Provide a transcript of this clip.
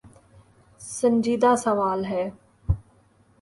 سنجیدہ سوال ہے۔